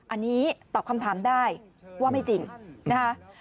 อันนี้ตอบคำถามได้ว่าไม่จริงนะคะ